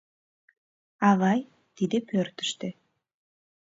— Авай тиде пӧртыштӧ.